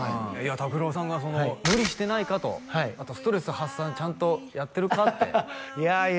ＴＡＫＵＲＯさんが「無理してないか？」とあとは「ストレス発散ちゃんとやってるか？」っていやいや